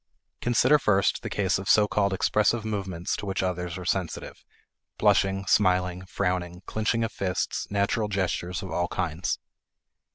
Consider first the case of so called expressive movements to which others are sensitive; blushing, smiling, frowning, clinching of fists, natural gestures of all kinds.